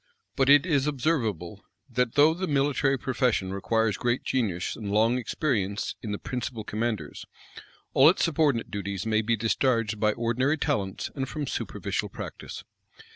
But it is observable, that though the military profession requires great genius and long experience in the principal commanders, all its subordinate duties may be discharged by ordinary talents and from superficial practice.